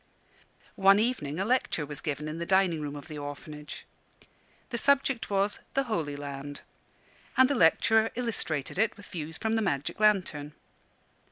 One evening a lecture was given in the dining room of the Orphanage. The subject was "The Holy Land," and the lecturer illustrated it with views from the magic lantern.